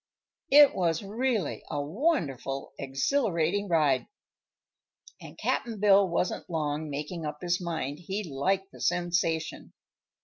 It was really a wonderful, exhilarating ride, and Cap'n Bill wasn't long making up his mind he liked the sensation.